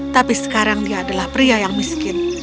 tapi sekarang dia adalah pria yang miskin